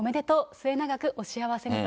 末永くお幸せにと。